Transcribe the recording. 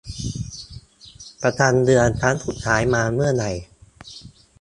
ประจำเดือนครั้งสุดท้ายมาเมื่อไหร่